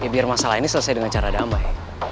biar masalah ini selesai dengan cara damai